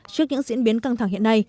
trước những diễn biến căng thẳng hiện nay